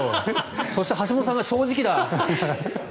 そして橋本さんが正直だ。